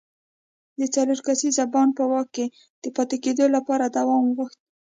د څلور کسیز بانډ په واک کې د پاتې کېدو لپاره دوام غوښت.